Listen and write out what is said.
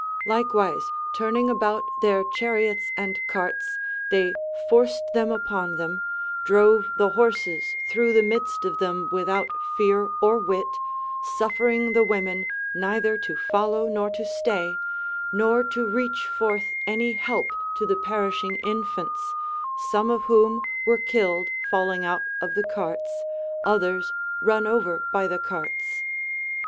Likewise turning about their chariots and carts, they forced them upon them, drove the horses through the midst of them witliout fear or wit, suf fering the women neither to follow nor to stay, nor to reach forth any help to the perishing infants, some of whom were killed falling out of the carts, others run over bv the carts.